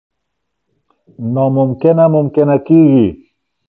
نا ممکنه ممکنه کېږي.